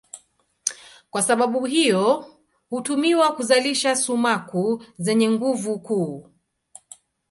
Kwa sababu hiyo hutumiwa kuzalisha sumaku zenye nguvu kuu.